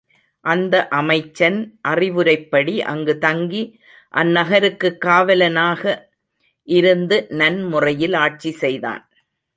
அந்த அமைச்சன் அறிவுரைப்படி அங்கு தங்கி அந்நகருக்குக் காவலனாக இருந்து நன்முறையில் ஆட்சி செய்தான்.